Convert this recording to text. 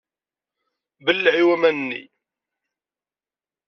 Belleɛ i waman-nni!